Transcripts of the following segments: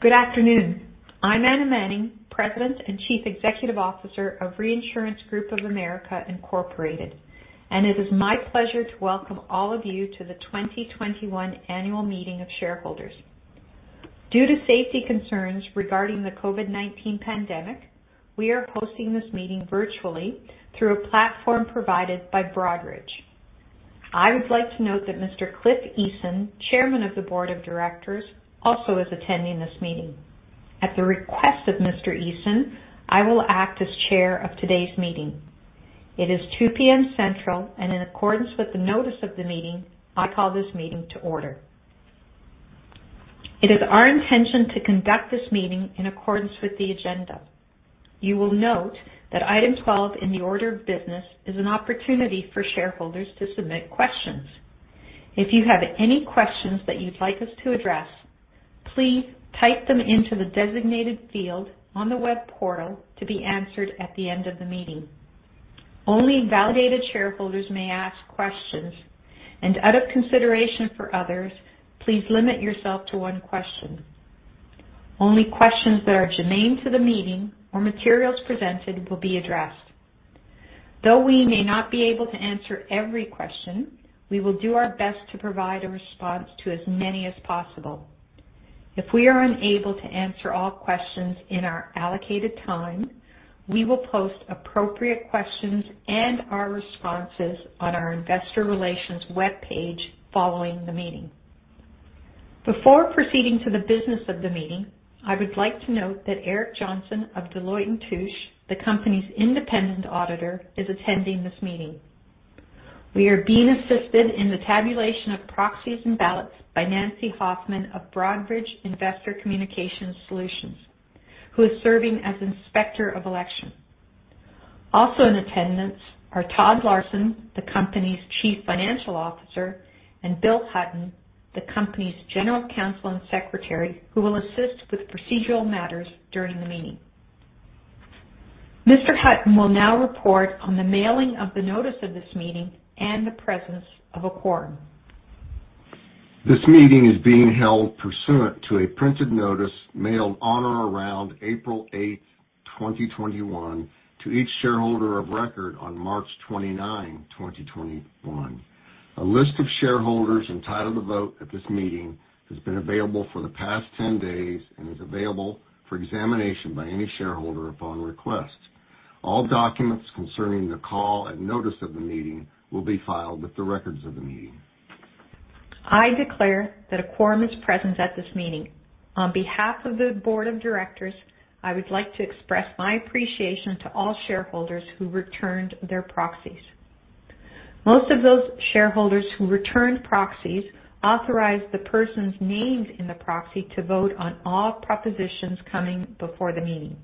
Good afternoon. I'm Anna Manning, President and Chief Executive Officer of Reinsurance Group of America, Incorporated, and it is my pleasure to welcome all of you to the 2021 annual meeting of shareholders. Due to safety concerns regarding the COVID-19 pandemic, we are hosting this meeting virtually through a platform provided by Broadridge. I would like to note that Mr. Cliff Eason, Chairman of the Board of Directors, also is attending this meeting. At the request of Mr. Eason, I will act as chair of today's meeting. It is 2:00 P.M. Central, and in accordance with the notice of the meeting, I call this meeting to order. It is our intention to conduct this meeting in accordance with the agenda. You will note that item 12 in the order of business is an opportunity for shareholders to submit questions. If you have any questions that you'd like us to address, please type them into the designated field on the web portal to be answered at the end of the meeting. Only validated shareholders may ask questions, and out of consideration for others, please limit yourself to one question. Only questions that are germane to the meeting or materials presented will be addressed. Though we may not be able to answer every question, we will do our best to provide a response to as many as possible. If we are unable to answer all questions in our allocated time, we will post appropriate questions and our responses on our investor relations webpage following the meeting. Before proceeding to the business of the meeting, I would like to note that Eric Johnson of Deloitte & Touche, the company's independent auditor, is attending this meeting. We are being assisted in the tabulation of proxies and ballots by Nancy Hoffman of Broadridge Investor Communication Solutions, who is serving as Inspector of Election. Also in attendance are Todd C. Larson, the company's Chief Financial Officer, and William L. Hutton, the company's General Counsel and Secretary, who will assist with procedural matters during the meeting. Mr. Hutton will now report on the mailing of the notice of this meeting and the presence of a quorum. This meeting is being held pursuant to a printed notice mailed on or around April 8th, 2021, to each shareholder of record on March 29th, 2021. A list of shareholders entitled to vote at this meeting has been available for the past 10 days and is available for examination by any shareholder upon request. All documents concerning the call and notice of the meeting will be filed with the records of the meeting. I declare that a quorum is present at this meeting. On behalf of the board of directors, I would like to express my appreciation to all shareholders who returned their proxies. Most of those shareholders who returned proxies authorized the persons named in the proxy to vote on all propositions coming before the meeting.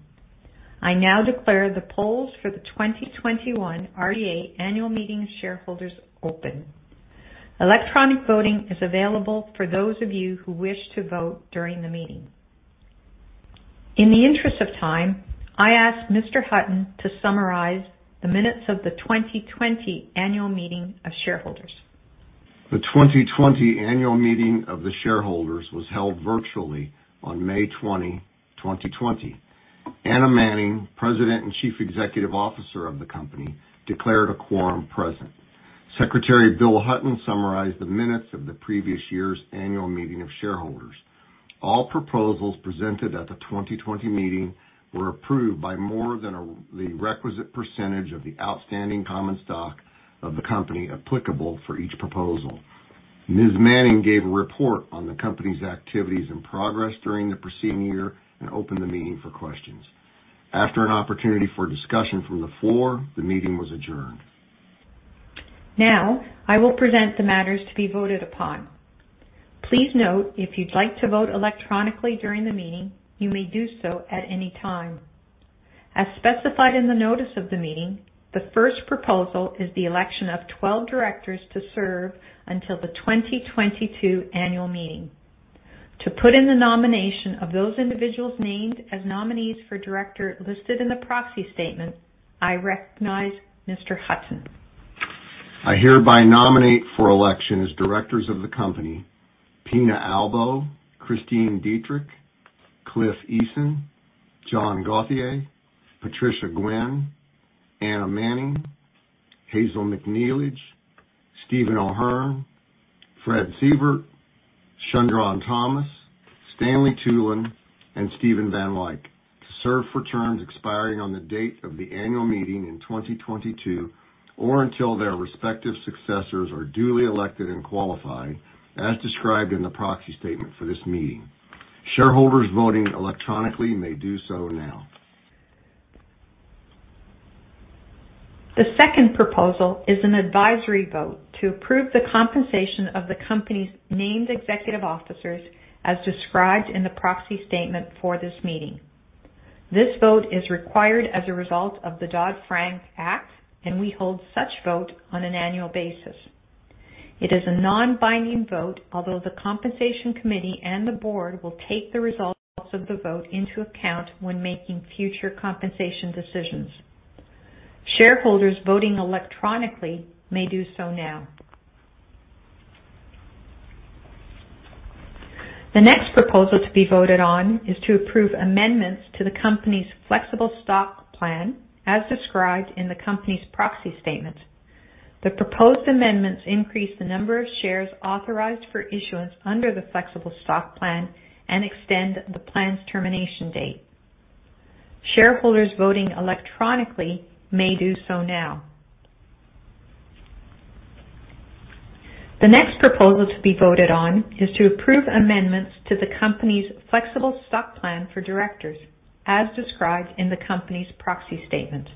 I now declare the polls for the 2021 RGA Annual Meeting of Shareholders open. Electronic voting is available for those of you who wish to vote during the meeting. In the interest of time, I ask Mr. Hutton to summarize the minutes of the 2020 Annual Meeting of Shareholders. The 2020 Annual Meeting of the Shareholders was held virtually on May 20, 2020. Anna Manning, President and Chief Executive Officer of the company, declared a quorum present. Secretary Bill Hutton summarized the minutes of the previous year's annual meeting of shareholders. All proposals presented at the 2020 meeting were approved by more than the requisite percentage of the outstanding common stock of the company applicable for each proposal. Ms. Manning gave a report on the company's activities and progress during the preceding year and opened the meeting for questions. After an opportunity for discussion from the floor, the meeting was adjourned. Now, I will present the matters to be voted upon. Please note, if you'd like to vote electronically during the meeting, you may do so at any time. As specified in the notice of the meeting, the first proposal is the election of 12 directors to serve until the 2022 annual meeting. To put in the nomination of those individuals named as nominees for director listed in the proxy statement, I recognize Mr. Hutton. I hereby nominate for election as directors of the company, Pina Albo, Christine Detrick, J. Cliff Eason, John J. Gauthier, Patricia L. Guinn, Anna Manning, Hazel M. McNeilage, Stephen T. O'Hearn, Frederick Sievert, Shundrawn A. Thomas, Stanley B. Tulin, and Steven C. van Wyk, to serve for terms expiring on the date of the annual meeting in 2022 or until their respective successors are duly elected and qualified as described in the proxy statement for this meeting. Shareholders voting electronically may do so now. The second proposal is an advisory vote to approve the compensation of the company's named executive officers as described in the proxy statement for this meeting. This vote is required as a result of the Dodd-Frank Act, and we hold such vote on an annual basis. It is a non-binding vote, although the Compensation Committee and the board will take the results of the vote into account when making future compensation decisions. Shareholders voting electronically may do so now. The next proposal to be voted on is to approve amendments to the company's flexible stock plan as described in the company's proxy statement. The proposed amendments increase the number of shares authorized for issuance under the flexible stock plan and extend the plan's termination date. Shareholders voting electronically may do so now. The next proposal to be voted on is to approve amendments to the company's flexible stock plan for directors as described in the company's proxy statement.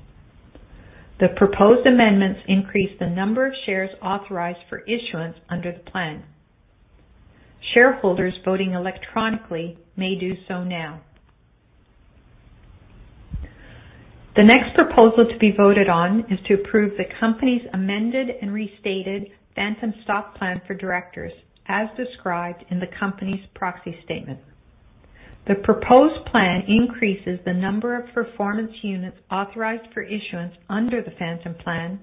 The proposed amendments increase the number of shares authorized for issuance under the plan. Shareholders voting electronically may do so now. The next proposal to be voted on is to approve the company's amended and restated phantom stock plan for directors as described in the company's proxy statement. The proposed plan increases the number of performance units authorized for issuance under the phantom plan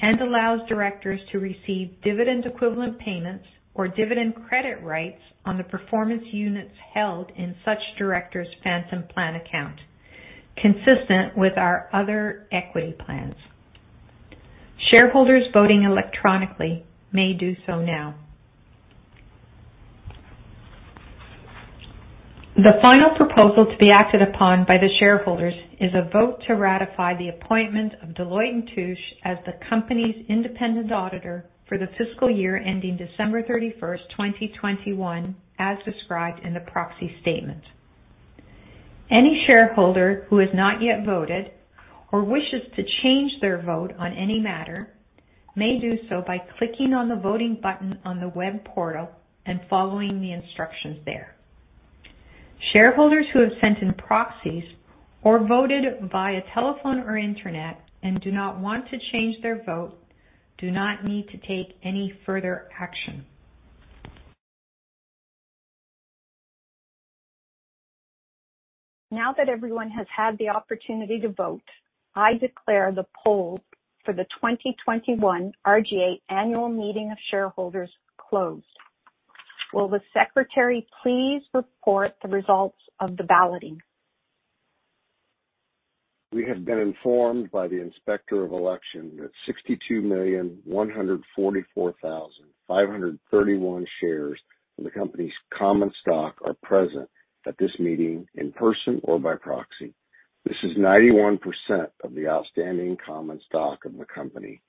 and allows directors to receive dividend equivalent payments or dividend credit rights on the performance units held in such director's phantom plan account, consistent with our other equity plans. Shareholders voting electronically may do so now. The final proposal to be acted upon by the shareholders is a vote to ratify the appointment of Deloitte & Touche as the company's independent auditor for the fiscal year ending December 31st, 2021, as described in the proxy statement. Any shareholder who has not yet voted or wishes to change their vote on any matter may do so by clicking on the voting button on the web portal and following the instructions there. Shareholders who have sent in proxies or voted via telephone or internet and do not want to change their vote do not need to take any further action. Now that everyone has had the opportunity to vote, I declare the poll for the 2021 RGA Annual Meeting of Shareholders closed. Will the Secretary please report the results of the balloting? We have been informed by the Inspector of Election that 62,144,531 shares of the company's common stock are present at this meeting in person or by proxy. This is 91% of the outstanding common stock of the company.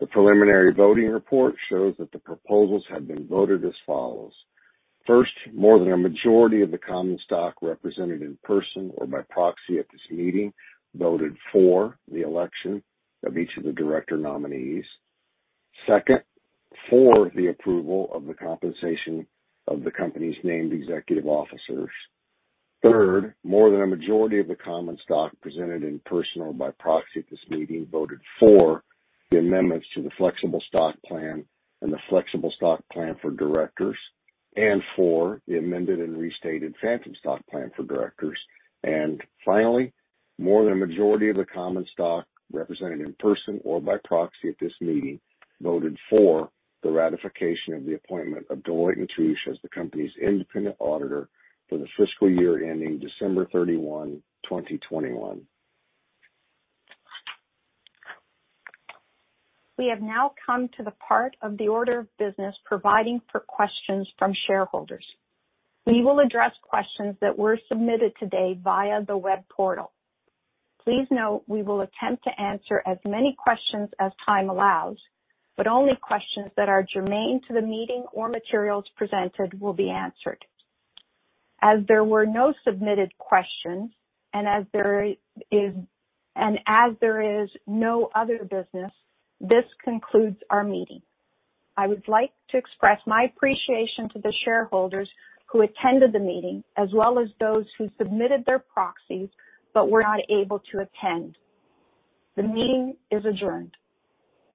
The preliminary voting report shows that the proposals have been voted as follows. First, more than a majority of the common stock represented in person or by proxy at this meeting voted for the election of each of the director nominees. Second, for the approval of the compensation of the company's named executive officers. Third, more than a majority of the common stock presented in person or by proxy at this meeting voted for the amendments to the Flexible Stock Plan and the Flexible Stock Plan for Directors and for the amended and restated Phantom Stock Plan for Directors. Finally, more than a majority of the common stock represented in person or by proxy at this meeting voted for the ratification of the appointment of Deloitte & Touche as the company's independent auditor for the fiscal year ending December 31, 2021. We have now come to the part of the order of business providing for questions from shareholders. We will address questions that were submitted today via the web portal. Please note we will attempt to answer as many questions as time allows, but only questions that are germane to the meeting or materials presented will be answered. As there were no submitted questions and as there is no other business, this concludes our meeting. I would like to express my appreciation to the shareholders who attended the meeting, as well as those who submitted their proxies but were not able to attend. The meeting is adjourned.